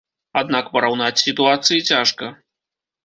Аднак параўнаць сітуацыі цяжка.